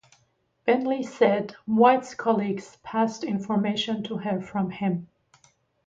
Bentley said White's colleagues passed information to her from him.